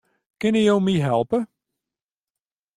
Kinne jo my helpe?